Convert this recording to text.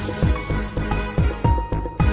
กินโทษส่องแล้วอย่างนี้ก็ได้